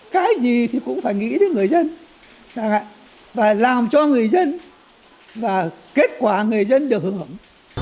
cái gì thì cũng phải nghĩ đến người dân và làm cho người dân và kết quả người dân được hưởng